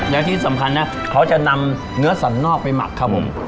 แล้วที่สำคัญนะเขาจะนำเนื้อสันนอกไปหมักครับผม